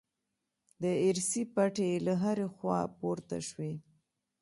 د ارسي پټې له هرې خوا پورته شوې.